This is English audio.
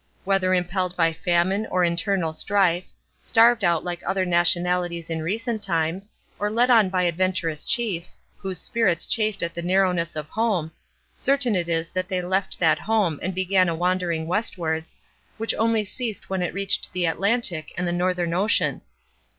Whether impelled by famine or internal strife, starved out like other nationalities in recent times, or led on by adventurous chiefs, whose spirit chafed at the narrowness of home, certain it is that they left that home and began a wandering westwards, which only ceased when it reached the Atlantic and the Northern Ocean.